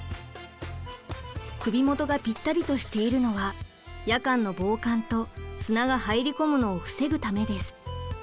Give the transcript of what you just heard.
首元がぴったりとしているのは夜間の防寒と砂が入り込むのを防ぐためです。